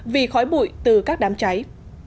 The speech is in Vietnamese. vì khói bụi từ các đám cháy